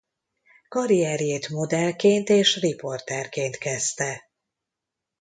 Karrierjét modellként és riporterként kezdte.